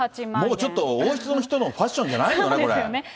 もうちょっと王室の人のファッションじゃないよね、そうですよね。